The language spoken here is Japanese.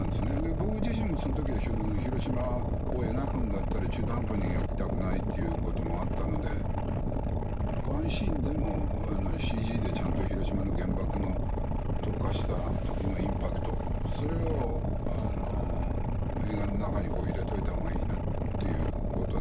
僕自身もその時は広島を描くんだったら中途半端に描きたくないということもあったのでワンシーンでもＣＧでちゃんと広島の原爆の投下した時のインパクトそれを映画の中に入れといた方がいいなということになって。